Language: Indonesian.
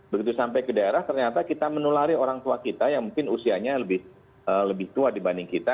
begitu sampai ke daerah ternyata kita menulari orang tua kita yang mungkin usianya lebih tua dibanding kita